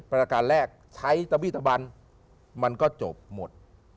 ประการแรกใช้ตะบี้ตะบันมันก็จบหมด